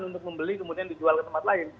untuk membeli kemudian dijual ke tempat lain